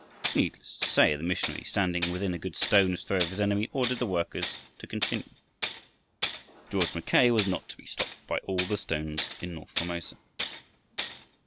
Needless to say, the missionary, standing within a good stone's throw of his enemy, ordered the workers to continue. George Mackay was not to be stopped by all the stones in north Formosa.